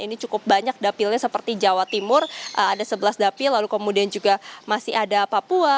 ini cukup banyak dapilnya seperti jawa timur ada sebelas dapil lalu kemudian juga masih ada papua